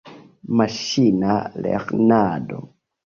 Maŝina lernado.